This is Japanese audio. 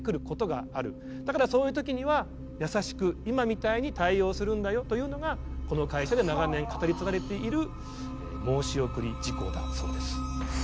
だからそういう時には優しく今みたいに対応するんだよというのがこの会社で長年語り継がれている申し送り事項だそうです。